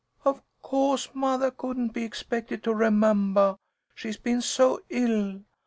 Of co'se mothah couldn't be expected to remembah, she's been so ill.